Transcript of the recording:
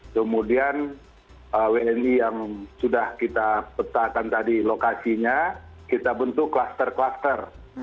kemudian wni yang sudah kita petakan tadi lokasinya kita bentuk kluster kluster